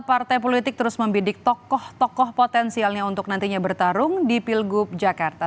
partai politik terus membidik tokoh tokoh potensialnya untuk nantinya bertarung di pilgub jakarta